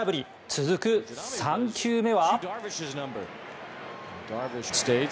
続く３球目は。